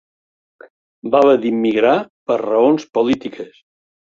Va haver d'immigrar per raons polítiques.